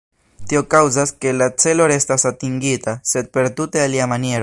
Tio kaŭzas, ke la celo restas atingita, sed per tute alia maniero.